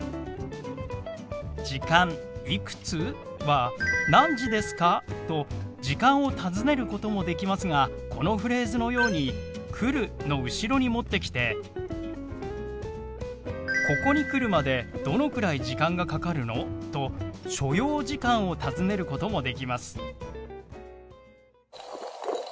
「時間いくつ？」は「何時ですか？」と時間を尋ねることもできますがこのフレーズのように「来る」の後ろに持ってきて「ここに来るまでどのくらい時間がかかるの？」と所要時間を尋ねることもできます。